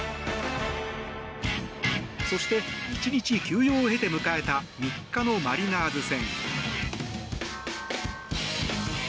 そして１日休養を経て迎えた３日のマリナーズ戦。